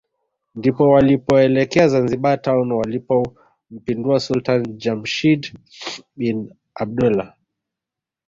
ndipo walipoelekea Zanzibar Town walipompindua Sultani Jamshid bin Abdullah